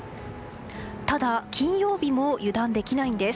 ただ金曜日も油断できないんです。